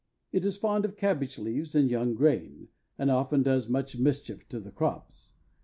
It is fond of cabbage leaves and young grain, and often does much mischief to the crops.